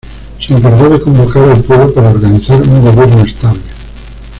Se encargó de convocar al pueblo para organizar un gobierno estable.